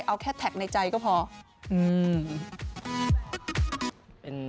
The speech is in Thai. เอาแค่แท็กในใจก็พออืม